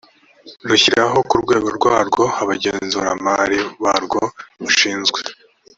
rushyiraho ku rwego rwarwo abagenzuramali barwo bashinzwe